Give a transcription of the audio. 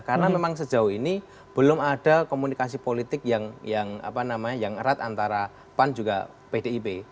karena memang sejauh ini belum ada komunikasi politik yang apa namanya yang erat antara pan juga pdip